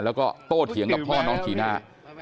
แล้วโต้เถียงกับพ่อน้องหินา